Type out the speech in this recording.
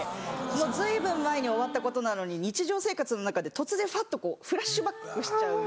随分前に終わったことなのに日常生活の中で突然ふわっとフラッシュバックしちゃう。